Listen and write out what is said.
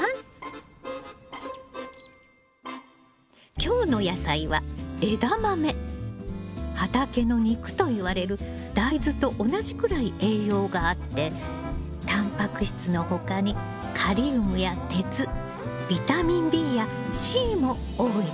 今日の野菜は畑の肉といわれる大豆と同じくらい栄養があってたんぱく質の他にカリウムや鉄ビタミンＢやＣも多いのよ。